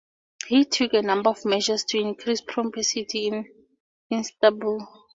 He took a number of measures to increase prosperity in Istanbul.